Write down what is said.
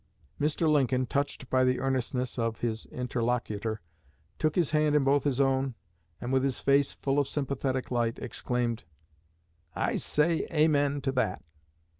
Mr. Lincoln, touched by the earnestness of his interlocutor, took his hand in both his own, and, with his face full of sympathetic light, exclaimed: "I say amen to that!